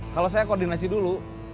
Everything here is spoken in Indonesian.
kalau saya koordinasi dulu